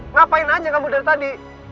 ngapain aja kamu dari tadi